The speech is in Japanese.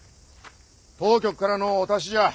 当局からのお達しじゃあ。